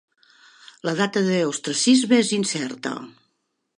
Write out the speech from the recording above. La data de l'ostracisme és incerta.